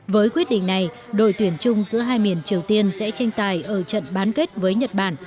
với quyết định này đội tuyển chung giữa hai miền triều tiên sẽ tranh tài ở trận bán kết với nhật bản